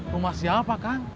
rumah siapa kang